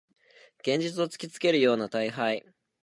現実を突きつけるような大敗